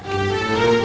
ate bisa menikah